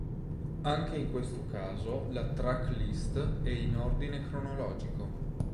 Anche in questo caso la track list è in ordine cronologico.